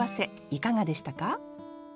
いかがでしたか？